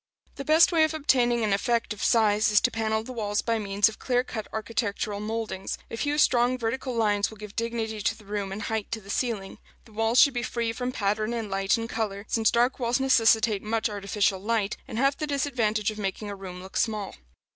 The best way of obtaining an effect of size is to panel the walls by means of clear cut architectural mouldings: a few strong vertical lines will give dignity to the room and height to the ceiling. The walls should be free from pattern and light in color, since dark walls necessitate much artificial light, and have the disadvantage of making a room look small.